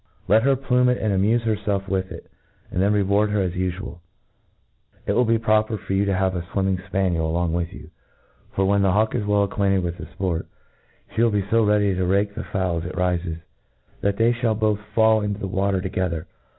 Let her plume it, and amufe hcrfclf with it, and then reward her as u£aaU * It will be proper for you to have a fwimming fpanicl along with you ; for, when the hawk i^ well acquainted with the fport, ihe will be fo ready to rake the fowl as it rifcs, that they fhall both^ fall into the water together.